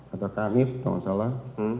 ada kanit jangan salah